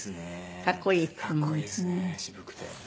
かっこいいですね渋くて。